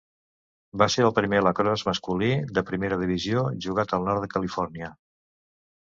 Va ser el primer lacrosse masculí de Primera Divisió jugat al nord de Califòrnia.